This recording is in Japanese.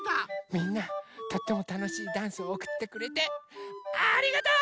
みんなとってもたのしいダンスをおくってくれてありがとう！